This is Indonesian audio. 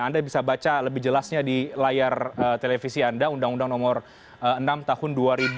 anda bisa baca lebih jelasnya di layar televisi anda undang undang nomor enam tahun dua ribu dua